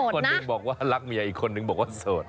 คนหนึ่งบอกว่ารักเมียอีกคนนึงบอกว่าโสด